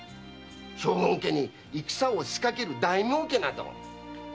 将軍家に戦を仕掛ける大名家など。